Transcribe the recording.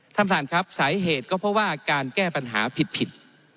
ท่านประธานครับสาเหตุก็เพราะว่าการแก้ปัญหาผิด